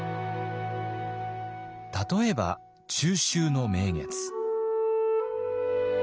例えば中秋の名月。